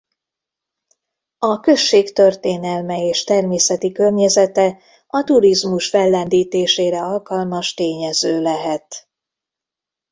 A község történelme és természeti környezete a turizmus fellendítésére alkalmas tényező lehet.